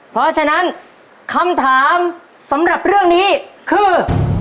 เพราะฉะนั้นคำถามสำหรับเรื่องนี้คือ